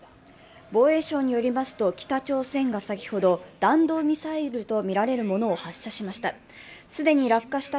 防衛省によりますと北朝鮮が先ほど、弾道ミサイルとみられるものを発射しました。